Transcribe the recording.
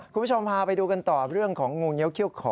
คุณผู้ชมพาไปดูกันต่อเรื่องของงูเงี้ยเขี้ยขอ